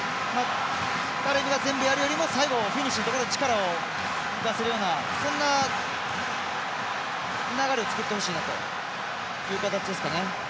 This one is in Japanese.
タレミが全部、やるよりも最後、フィニッシュのところで力を出せるようなそんな流れを作ってほしいなという形ですかね。